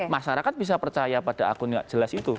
masyarakat bisa percaya pada akun yang jelas itu